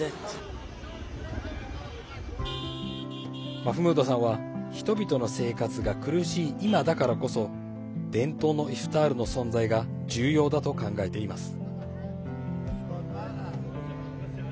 マフムードさんは人々の生活が苦しい今だからこそ伝統のイフタールの存在が重要だと考えています。